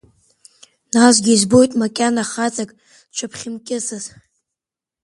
Насгьы избоит макьана хаҵак дшыбхьымкьысыц!